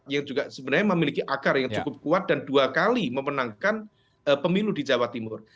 yang juga sebenarnya memiliki akar yang cukup kuat dan dua kali memenangkan pemilu di jawa timur